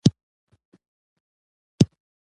د متعال رب یوازي والی ثابت سو.